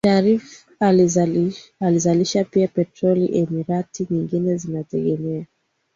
Sharjah zinazalisha pia petroli Emirati nyingine zinategemea